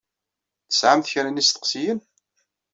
Tesɛamt kra n yisteqsiyen?